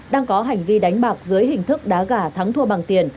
đang có hành vi đánh bạc dưới hình thức đá gà thắng thua bằng tiền